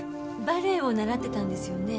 バレエを習ってたんですよね？